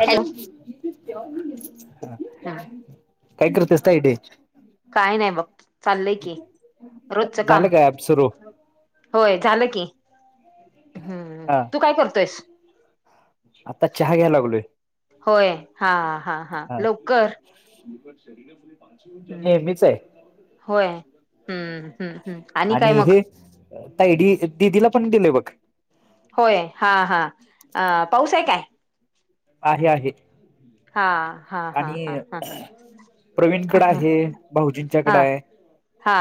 Hello काय करतेस तायडे? काय नाही बघ चाललय की रोजचं झालं काम. काय ऍप सुरू होय झालं की हम्म हा तू काय करतोयस? आता चहा घ्यायला लागलोय. होय हा हा हा लवकर? ला [unintelligible] हम्म नेहमीच आहे होय हम्म हम्म हम्म काय आणि मग हे तही डी दिदीला पण दिलंय बघ होय हा हा पाऊस आहे काय? आहे आहे. हा हा हा आणि हा हा प्रवीणकडं हा आहे भाऊजींच्या कडें हा आहे. हा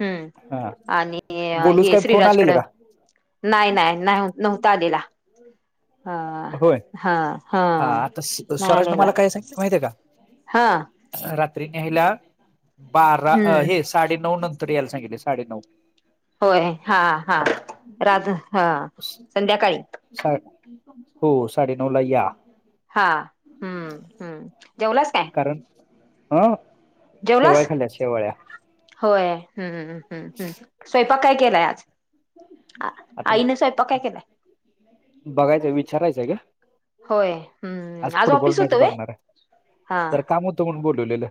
हम् हा आणि गोलूच हे काय फोन आलेला श्रीराजकड का नाही नाही नाही नव्हता आलेला. हा होय हा हा आता स्वराजने मला काय सांगितलं माहितीय का हा रात्री न्यायला बारा हम्म हे साडेनऊ नंतर यायला सांगितले साडेनऊ. होय हा हा हा संध्याकाळी सा हो साडेनऊ ला या. हा हम्म हम्म जेवलाच काय? कारण अ शेवाळ जेवलास खाल्ल्यात शेवाळ्या. होय हम्म्म्म हम् स्वयंपाक काय केलाय आज? आता आईने स्वयंपाक काय केलाय बघायचंय विचारायचंय गा? होय हम्म आज फुटबॉल ऑफिस मॅच होतं व्हय बघणार आहे हा जर काम होतं म्हण बोलवलेलं.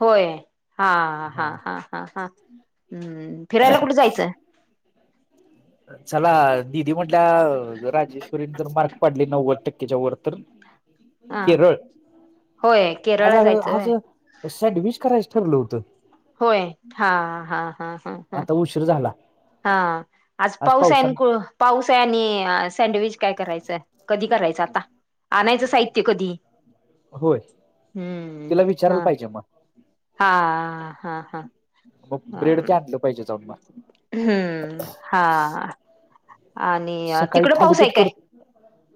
होय हा हा हा हा हा हम् फिरायला कुठे जायचं? चला निदीी म्हटल्या राजेश्वरीनी जर मार्क पाडली नव्वद टक्केच्या वर तर हा केरळ होय आज केरळला जायचं आज होय सॅडविच करायचं ठरलं होतं. होय हा हा हा हा ह आता उशीर झाला हा आज पाऊस आहे आणि कुळ पाऊस आहे आणि सँडविच काय करायचंय कधी करायचं आता? आणायचं साहित्य कधी? होय हम्म तिला विचारायला हा पाहिजे मग. हा हा हा मग ब्रेड ते आणलं पाहिजे जाऊन म हम्म हा आणि सकाळी तिकड पाऊस आहे थालीपीठ काय? कर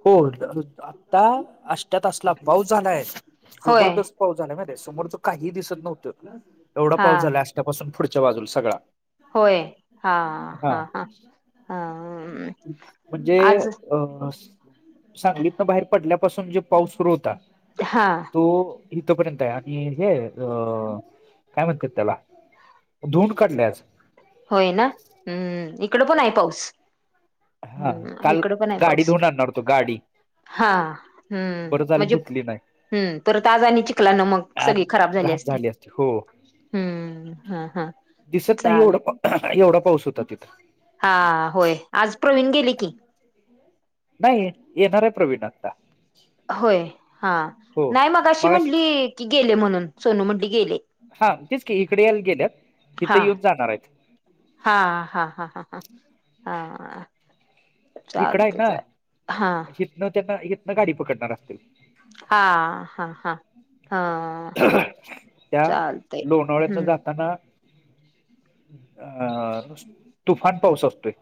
हो आता आष्ट्यात असला पाऊस झालाय होय सोबच पाऊस झालाे समोर त काहीही दिसत नव्हतो एवढा हा पाऊस झाला आष्ट्यापासून पुढच्या बाजूूनला सगळा. होय हा हा ह ह म्हणजे आज अ सांगलीतन बाहेर पडल्यापासून जे पाऊस सुरू होता. हा तो इथोपर्यंत आहे आणि हे अ काय म्हणतेात त्याला धुंड काढल्याच. होय ना ह् इकड पण आहे पाऊस. हा हम्म काल इकड पण आहे गाडी पाऊस. धुऊून आणणार होतो गाडी हा हम्म बरं झालं म्हणजे धुतली नाही हम पर ताजा आणि चिकला मग सगळी खराब आणि झाली घाण असती झाली असते हो हम्म हा हा दिसत नाही चाल एवढा एवढा पाऊस होता तिथं हा होय आज प्रवीण गेली की [inaudible] नाही येणार आहे प्रवीण होय हा हो नाही मग अशी मगाशी म्हटली की गेले म्हणून सोनू म्हंली गेले हा तेच की इकडे यायला गेल्यात हा इिथे येऊन जाणार आहेत हा हा हा हा ह हा इकडं आहे चालते ना चाल हा हथनं त्यांना हिथनं गाडी पकडणार असतील हा हा हा हा चालते हम्म ताना अ तुफान पाऊस असतोय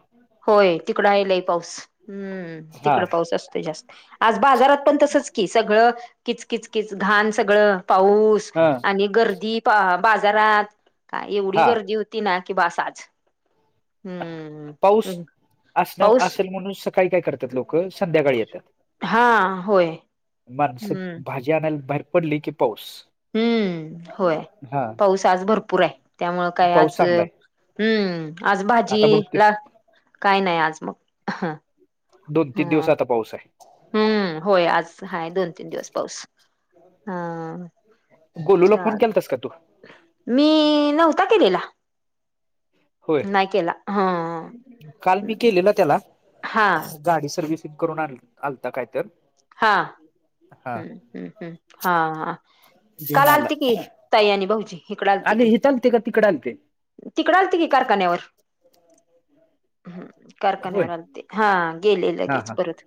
होय तिकडं आहेलाय पाऊस हम्म हा तिकड पाऊस असतोय जास्त आज बाजारात पण तसंच की सगळं किच किच किच घाण सगळं पाऊस ह आणि गर्दी बाजारात काय एवढी हा गर्दी होती ना की बास आज पाऊस हम्म असण्या पाऊस असेल म्हणून सकाळी काय करतात लोक संध्याकाळी येतात हा होय माणसे हम्म भाजी आणायला बाहेर पडली की पाऊस हम्म होय हा पाऊस आज भरपूर आहे त्यामुळं काय पाऊस आज चांगला आहे हम्म आज भाजी आता ला बहुतेक काय नाही आज मग दोन तीन दिवस आता पाऊस आहे हम्म होय आज हाय दोन तीन दिवस पाऊस हा गोलूला फोन चाल केला तस का तू मी नव्हता केलेला होय नाही केला हा काल मी केले ना त्याला हा गाडी सर्व्हिसिंग करून आलता काय तर हा हा हम्म हम्म हम्म हा हा घेऊन काल आला आलती की ताई आणि भाऊजी इकडं आलते आले की हे चालते का तिकडे आलते तिकड आलती की कारखान्यावर ह होय कारखान्यावर आणते हा गेले हा लगेच हा परत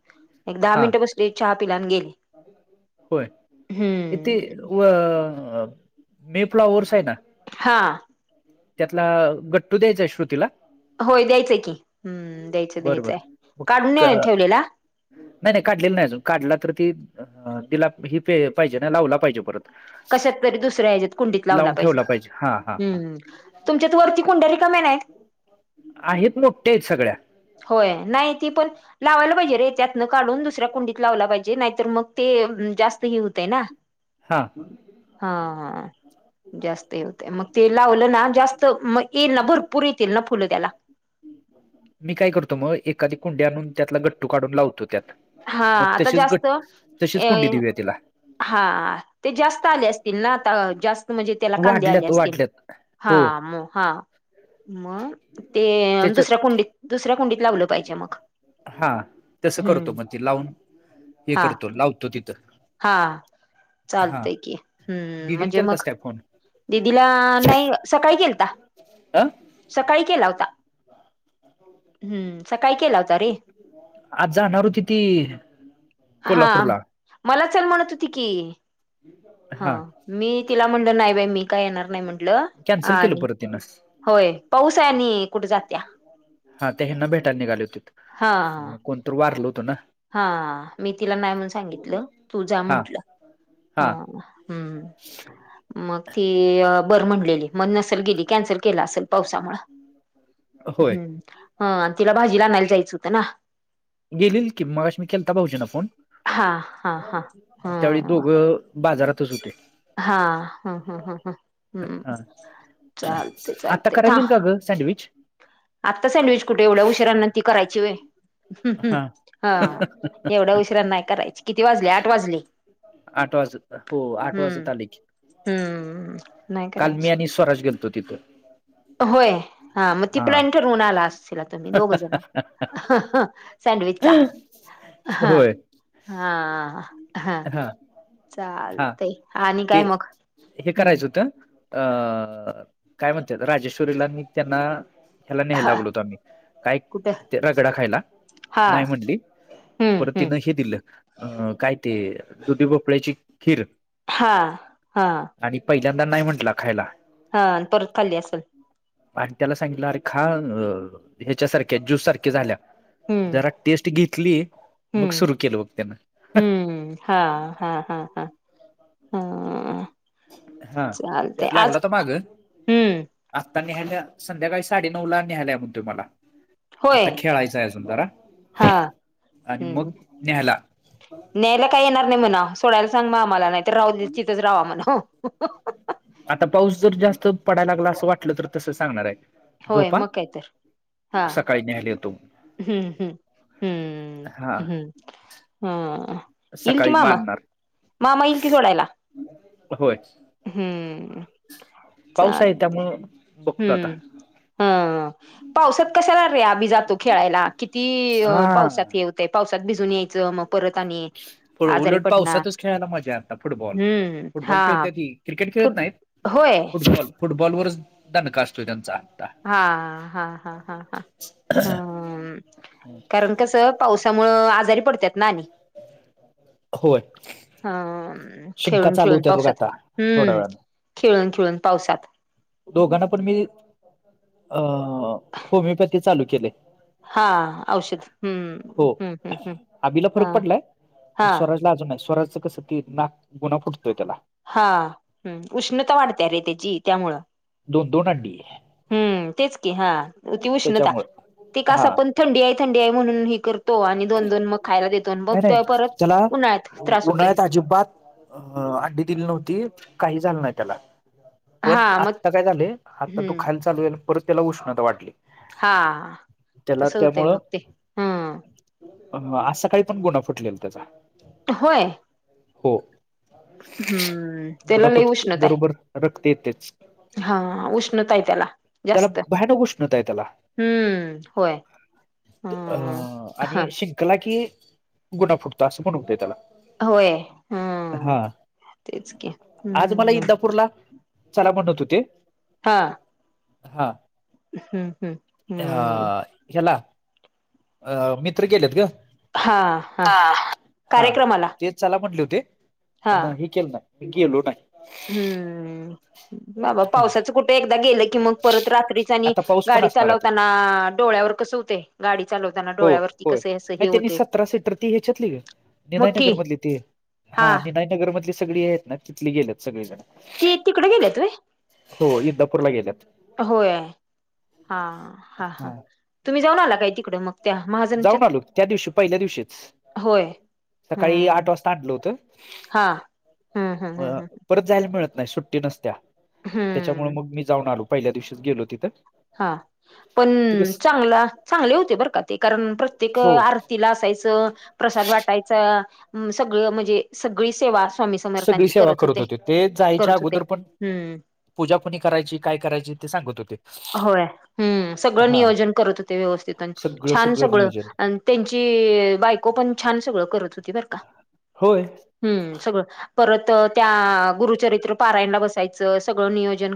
एक दहा हा मिनिटपसून होय इथे हम्म अ मी फ्लावर्स आहे ना हा त्यातला गट्टू द्यायचाय श्रुतीला होय द्यायचंय की हम्म द्यायचं बरं द्यायचंय बरं काढून मग न ठेवलेला नाही नाही काढलेली नाही अजून काढला तर ती दिला ही प पाहिजे नाही लावला पाहिजे परत कशात तरी दुसऱ्या ह्याच्यात कुंडीत लावला लावून पाहिजे ठेवला हा हा हा हम्म तुमच्यात वरती कुंडारी कामे नाहीत आहेत मोठ्याच सगळ्या होय नाही ती पण लावायला पाहिजे रे त्यातनं काढून दुसऱ्या कुंडीत लावला पाहिजे नाहीतर मग ते जास्त ह होत आहे ना हा हा ह जास्त होत मग ते लावलं ना जास्त मग येईल ना भरपूर येतील ना फुलं त्याला मी काय करतो मग एखादी कुंडे्या आणून त्यातला गट्टू काढून लावतो त्यात हा मग आता तसेच गट जास्त तशीच ए कोंडी देऊया तिला हा ते जास्त आले असतील ना आता जास् म्हणजे त्याला कांदे आले वाढल्यात असतील वाढल्यात हा हो मग हा मग ते त्याच्यात दुसऱ्या कुंडीत दुसऱ्या कुंडीत लावलं पाहिजे मग हा तसं करतो हम्म मग त लावून हे हा करतो लावतो तिथं हा हा चालतय की हम्म दिदीला म्हणजे मग केलतास काय फोन दिदीला नाही सकाळी केलता सकाळी केला होता हम्म सकाळी केला होता रे आज जाणार होती ती हा कोल्हापूरला मला चाल म्हणत होती की [inaudible] हा मी तिला म्हणलं नाही बाई मी काय येणार नाही म्हंटलं कॅन्सल केलं आणि परत तिनं होय पाऊस आहे आणि कुठे जात्या हा ते हेना भेटायला निघाले होते हा कोण तर वारल होतं ना हा मी तिला नाही म्हण सांगितलं तु जा म्हंटलं हा हम्म अ मग ती बरं म्हणलेली मग नसल गेली कॅन्सल केला असेल पावसामुळे होय ह आणि तिला भाजी आणायला जायचं होतं ना गेलेल की मगाशी मी केल तर भाहुजी ना फोन हा ह त्यावेळी दोघं बाजारातच होते हा हम् हम्म हम्म हम्म हम्म हा चालते आता चालते ह करायला येईल का ग सँडविच आत्ता सँडविच कुठे एवढ्या उशीराांना करायची वय हा हा एवढा उशरा नाही करायची किती वाजली आठ वाजली आठ वाज हो आठ वाज त आले हम्म. नाही काल करायची मी स्वराज गेलो तिथं होय हा मग ती प्लन ठरवून आला असतीलला तुम्ही दोघ जण सँडविचचा हा होय हा हा हा चालतय आणि ते काय मग हे हम् करायचं होतं अ काय म्हणतात राजेश्वरीलानी त्यांना ह्याला न्याय हा लागल होतो आम्ही काय कुठं ते रगडा खायला हा नाही म्हटली हम्म पर हम्म तिनं हे दिलं अं काय ते दुधी भोपळ्याची खीर हा हा आणि पहिल्यांदा नाही म्हटला खायला हा आणि परत खाल्ली असेल आणि त्याला सांगितलं अर हा ह्याच्यासारख्या ज्यूस सारख्या झाल्या हम्म जरा टेस्ट घेतली मग हम्म सुरू केलं मग त्यांना हम्म हा हा हा हा हा हा चालते आज लागला तर माग हम्म आत्ता नेहायल्या संध्याकाळी साडेनऊ ला निहायल्या या म्हणतोय मला होय आता खेळायचय अजून करा हा आणि मग हम्म न्याला न्यायला काही येणार नाही म्हणा सोडायला सांग मामा ला आम्हाला नाहीत राहू तिथच राहावा म्हण हो ह आता पाऊस जर जास्त पडायला लागला असं वाटलं तर तसं सांगणार आहे होय झोपा मग काय तर हा सकाळी नले हम्म हम्म हम्म हा हम्म हम्म येईल कि सकाळी मामा मामा येईल कि सोडायला होयच हम्म पाऊस आहे चालते त्यामुळं बघतो आता हम्म हम पावसात कशाला रे आभी जातो खेळायला किती हा. पावसात ते होतय पावसात भिजून यायचं म परत आणि. आजारी उलट पडणार पावसातच खेळायला मजाय आता फुटबॉल, हम्म फुटबॉल हा खेळत्या ती. क्रिकेट फुट खेळत नाहीत, होय फुटबॉल फुटबॉलवररच दणका असतोय त्यांचा. हा हा हा हा हा, हम्म. कारण कसं पावसामुळ आजारी पडतात ना आणि. होय. हम शिंका खेळून चालू खेळून होत्यात बघ पावसात, आता थोड्या हम्म, वेळानं खेळून खेळून पावसात. दोघांना पण मी, अ, होमिओपॅथी चालू केलय. हा औषध, हम्म हो हम्म हम्म हम्म, आबीला फरक हा. पडलाय हा स्वराजला अजून स्वराजचं कस ते नाक गुन्हा फुटतोय त्याला. हा, हम उष्णता वाढत्या रे त्याची त्यामुळं. दोन दोन अंडी. हम्म तेच की हा ती उष्णता, त्याच्यामुळं ते हा कसं पण थंडी आहे थंडी आहे म्हणून हे कर तो आणि दोन दोन मग खायला देतो आणि मग नाही ते परत उन्हाळ्यात त्रास होतोय. अजीबात अ अंडी दिली नव्हती, काही झालं नाही त्याला. पण हा मग आत्ता काय झालय आत्ता तो हम्म खाय चालू झाल्या परत त्याला उष्णता वाढली. हा, तस होतय मग ते. हं आज सकाळी पण गुन्हा फुटलेला त्याचा. होय. हो, हम्म त्याला लई गुन्हाफूटतो उष्णता आहे बरोबर रक्त येतच. हा उष्णता हाय त्याला. त्याला जास्त भयानंक उष्णता हाय त्याला. हम्म होय हम्म अं हा आणि शिंकला की गुन्हा फुटतो असं पण होतं त्याला. होय, हम्म, हा तेच की, आज मला हम्म. इंदापूरला चला म्हणत होते. हां. हा, हम्म हम्म हा हेला अ मित्र गेलेत ग. हा, हा, कार्यक्रमाला ते चला म्हटले होते, हा पण हे केलं नाही. गेलो नाय. हम्म, बाबा पावसाचं कुठ एकदा गेलं कि मग परत रात्रीच आणि, आता पाऊस पण गाडी असणार आहे चालवताना डोळ्यावर कसं होतय, गाडी चालवताना हो डोळ्यावर. होय, आणि त्यांनी सतरा सीटर ती ह्याच्यातली, मोठी निनायनगर मधली ते, हा निनाय नगर मधले सगळी आहेत ना, तिथले गेल्यात सगळे जण. ती तिकडे गेलेत व्हय. हो इंदापूरला गेल्यात. होय हा हा हा, तुम्ही जाऊन आला काय तिकड मग त्या महाजनच्यात. जाऊन आलो त्या दिवशी पहिल्या दिवशीच होय. सकाळी हम्म आठ वाजता आणलं होतं. हा, हम्म हम्म हम्म अ हम. परत जायला मिळत नाही सुट्टी नसत्या, त्याच्यामुळे हम्म मग मी जाऊन आलो पहिल्या दिवशीच गेलो तिथं. हा, पण ठीक आहे चांगला चांगले होते बरं का. ते कारण प्रत्येक हो आरतीला असायचं. प्रसाद वाटायचं, सगळ म्हणजे सगळी सेवा स्वामी सगळी सेवा करत होते ते जायच्या करत होते अगोदर पण. हम्म पूजा कुणी करायची काय करायची ते सांगत होते. होय, हम्म सगळं हा नियोजन करत होते व्यवस्थित अन, सगळं छान सगळं, नियोजन अन त्यांची बायको पण छान सगळं करत होती बरं का होय. हम्म सगळं. परत त्या गुरुचरित्र पारायनला बसायचं सगळं नियोजन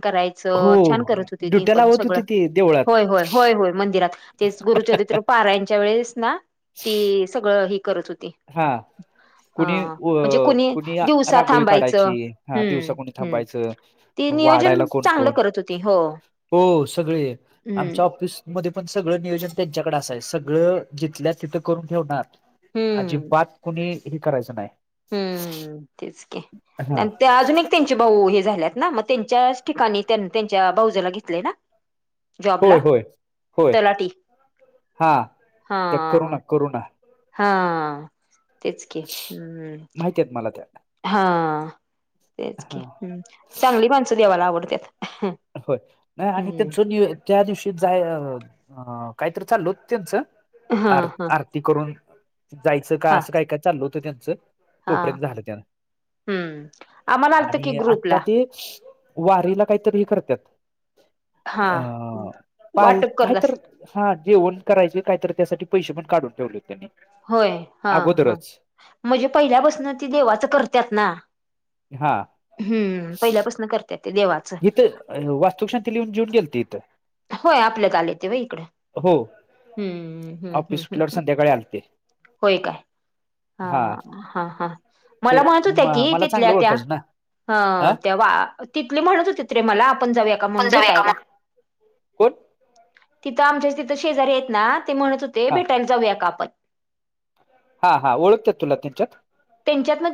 हो करायचं छान करत होती ती. ड्युट्या पण लावत सगळ होती ती देवळात होय होय होय होय मंदिरात तेच गुरुचरित्र पारार्यनच्या वेळेस ना ती सगळं हे करत होती. हा हा कुणी अ म्हणजे कुणी आ- दिवसा रांगोळी थांबायचं काढायची हा हम्म दिवसा कोणी हम्म थांबायचं ती वाढायला नियोजन कोण चांगलं कोण करत होती हो हो सगळे हम्म आमच्या ऑफिसमध्ये पण सगळं नियोजन त्यांच्याकडे असायच सगळं जितल्या तिथ करून ठेवणार हम्म अजीबात कोणी हे करायचं नाही हम्म तेच हा आणी ते अजून एक त्यांचे भाऊ हे झाल्यात ना मग त्यांच्याच ठिकाणी त्यांच्या भाऊजयाला घेतलेत ना? जॉबला होय होय होय तलाटी हा करूना हा तेच कि हम्म. तेत मला त्या हा तेच की हा चांगली माणसं देवाला आवडतात होय नाही आणि त्यां चूनी त्या दिवशी जाय अ काहीतरी चालल होत त्यांचं हा आर हा आर ती करून जायचं का हा असं काय काय चालल होतं त्यांचं हा तोपर्यंत झाला त्या हम्म आम्हाला आलत की आणि आता ग्रुपला ते वारीला काहीतरी हे करत्यात हा अह पाल वाटप काय करत अस तर हा जेवण करायचे काय तर त्यासाठी पैसे पण काढून ठेवलेत त्यांनी होय हा हा अगोदरच म्हणजे पहिल्यापासून तेनी देवाचं करतात ना हा हम्म पहिल्यापासून करत्यात ते देवाचं इथं वास्तुशांतीला येऊन जेवुन गेलते ईथं होय आपल्यात आले होते होय इकडं हो हम्मम्म हम्म ऑफिस हम्म सुटल्यावर हम्म् संध्याकाळी आलते होय काय हा हा हा ते मला म्हणत होत्या म- कि मला चांगलं तिथल्या त्या ओळखायच ना ह हं तेव्हा तिथले म्हणत होतीत रे मला आपण जाऊया का म्हणून भेटायला कोण [unintelligible] तिथं आमच्या तिथं शेजारी आहेत ना ते म्हणत होते हा भेटायला जाऊया का आपण? हा हा ओळखत्यात तुला त्यांच्यात? त्यांच्यातन